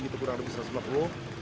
itu kurang lebih satu ratus lima puluh